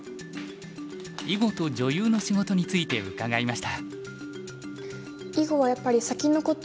囲碁と女優の仕事について伺いました。